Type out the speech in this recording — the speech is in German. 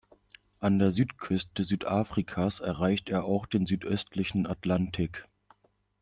An der Südküste Südafrikas erreicht er auch den südöstlichen Atlantik.